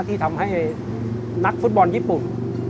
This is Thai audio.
ที่ทำให้นักฟุตบอลญี่ปุ่น